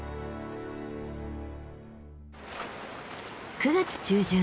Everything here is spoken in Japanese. ９月中旬